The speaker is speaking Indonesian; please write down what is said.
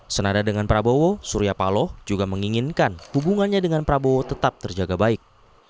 senada dengan prabowo surya paloh juga menginginkan hubungannya dengan prabowo tetap terjaga baik